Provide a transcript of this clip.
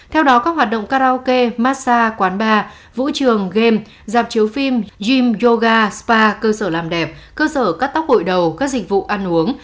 theo đó các hoạt động karaoke massage quán bar vũ trường game dạp chiếu phim gym yoga spa cơ sở làm đẹp cơ sở cắt tóc hội đầu các dịch vụ ăn uống